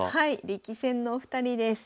力戦のお二人です。